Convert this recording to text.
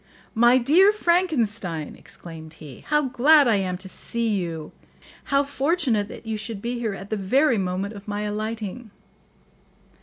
"My dear Frankenstein," exclaimed he, "how glad I am to see you! How fortunate that you should be here at the very moment of my alighting!"